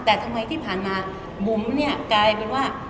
แต่ทำไมที่ผ่านมาบุ๋มเนี่ยกลายเป็นว่า